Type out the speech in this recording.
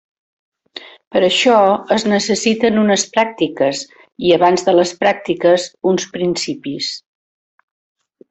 Per això, es necessiten unes pràctiques, i abans de les pràctiques, uns principis.